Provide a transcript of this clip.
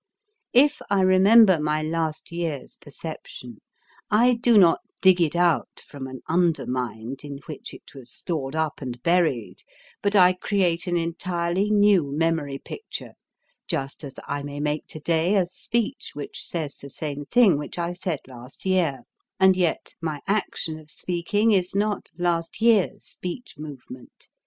If I remember my last year's perception, I do not dig it out from an under mind, in which it was stored up and buried, but I create an entirely new memory picture, just as I may make to day a speech which says the same thing which I said last year, and yet my action of speaking is not last year's speech movement.